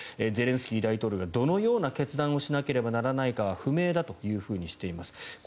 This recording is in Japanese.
ゼレンスキー大統領はどのような決断をしなければならないかは不明だとしています。